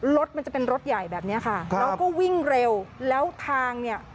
รถมันจะเป็นรถใหญ่แบบนี้ค่ะแล้วก็วิ่งเร็วแล้วทางเนี่ย